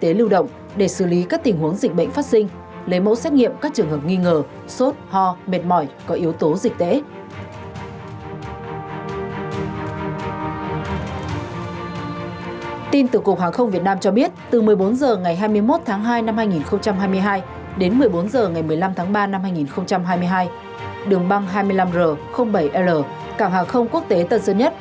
từ ngày hai mươi một tháng hai năm hai nghìn hai mươi hai đến một mươi bốn giờ ngày một mươi năm tháng ba năm hai nghìn hai mươi hai đường băng hai mươi năm r bảy l cảng hàng không quốc tế tân sơn nhất